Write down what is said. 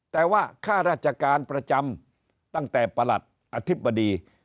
แต่ว่าค่าราชการประจำตั้งแต่ประหลัดอธิบดี